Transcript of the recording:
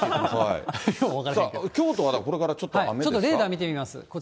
さあ、京都はこれからちょっちょっとデータ見てみます。